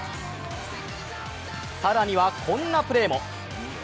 更にはこんなプレーも。